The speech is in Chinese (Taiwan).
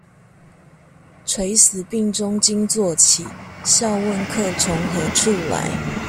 垂死病中驚坐起，笑問客從何處來